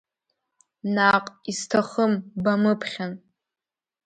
Наҟ, исҭахым, бамыԥхьан.